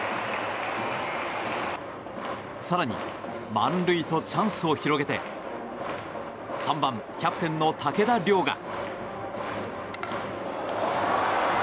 更に、満塁とチャンスを広げて３番、キャプテンの武田涼雅。